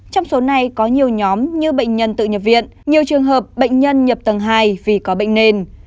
trong số này có nhiều nhóm như bệnh nhân tự nhập viện nhiều trường hợp bệnh nhân nhập tầng hai vì có bệnh nền